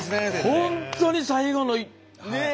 本当に最後のねえ。